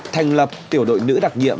thành lập tiểu đội nữ đặc nhiệm